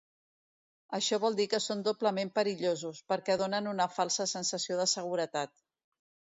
Això vol dir que són doblement perillosos, perquè donen una falsa sensació de seguretat.